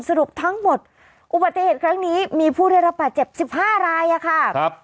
สรุปทั้งหมดอุบัติเหตุครั้งนี้มีผู้ได้รับบาดเจ็บ๑๕รายค่ะ